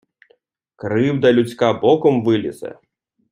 Кривда людська боком вилізе.